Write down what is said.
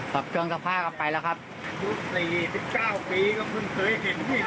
ขับเครื่องสภาพกลับไปแล้วครับภูษี๑๙ปีก็เพิ่งเคยเห็น